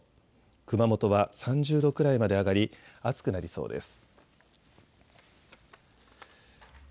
熊本は３０度くらいまで上がり暑くなりそうです。